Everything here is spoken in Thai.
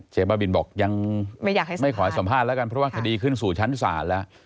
เจ๊บ้าบิลบอกยังไม่ขอสัมภาษณ์แล้วกันเพราะว่าคดีขึ้นสู่ชั้นสารแล้ว